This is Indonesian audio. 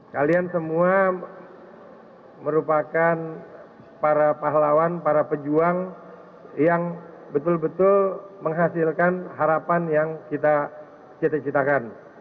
kalian semua merupakan para pahlawan para pejuang yang betul betul menghasilkan harapan yang kita cita citakan